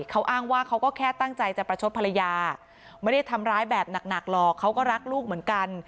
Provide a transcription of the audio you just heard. เขาอ้างว่าเขาก็แค่ตั้งใจจะประชดภรรยาไม่ได้ทำร้ายแบบหนักหรอกเขาก็รักลูกเหมือนกัน